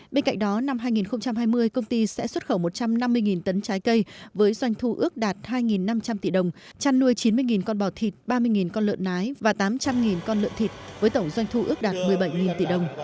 bên cạnh đó năm hai nghìn hai mươi công ty sẽ xuất khẩu một trăm năm mươi tấn trái cây với doanh thu ước đạt hai năm trăm linh tỷ đồng chăn nuôi chín mươi con bò thịt ba mươi con lợn nái và tám trăm linh con lợn thịt với tổng doanh thu ước đạt một mươi bảy tỷ đồng